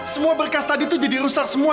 semua berkas tadi itu jadi rusak semua